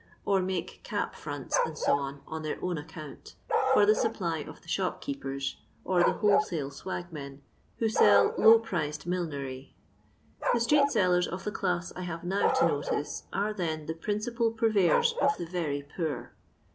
or make cap fronts, Ac, on their own account for the supply of the shoidieepers, or the whole Mle svrag men, who sell low priced millinery. The itreet sellers of the class I have now to notice are, then, the principal purveyors of the very poor.